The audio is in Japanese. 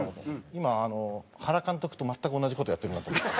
今原監督と全く同じ事やってるなと思って。